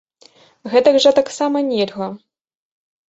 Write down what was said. Гэтак жа таксама нельга!